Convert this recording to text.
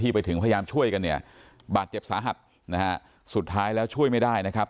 ไปถึงพยายามช่วยกันเนี่ยบาดเจ็บสาหัสนะฮะสุดท้ายแล้วช่วยไม่ได้นะครับ